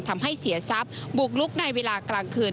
ทำให้เสียทรัพย์บุกลุกในเวลากลางคืน